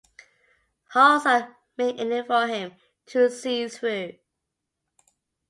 Holes are made in it for him to see through.